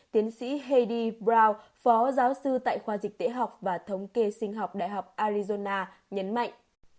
tiến sĩ heidi brown phó giáo sư tại khoa dịch tế học và thống kê sinh học đại học arizona nhấn mạnh